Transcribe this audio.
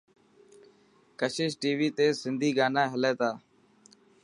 ڪشش ٽي وي تي سنڌي گانا هلي تا.